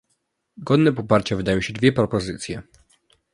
Godne poparcia wydają się dwie propozycje